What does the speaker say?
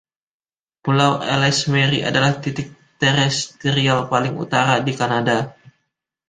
Pulau Ellesmere adalah titik terestrial paling utara di Kanada.